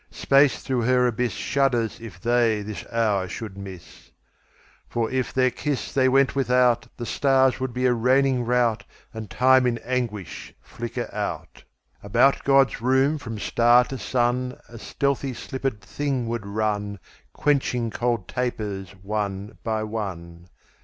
Space through her abyssShudders if they this hour should miss. For if their kiss they went without, The stars would be a raining rout, And time in anguish flicker out. About God's room from star to sunA stealthy slippered Thing would run, Quenching cold tapers one by one.